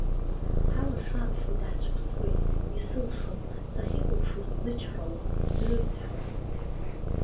Ҳала шааԥшуа даҳцәыԥсуеит, исылшом, сахьихәаԥшуа сзычҳауам, дрыцҳауп!